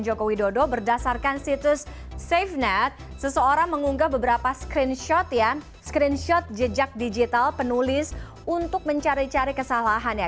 joko widodo berdasarkan situs safenet seseorang mengunggah beberapa screenshot ya screenshot jejak digital penulis untuk mencari cari kesalahannya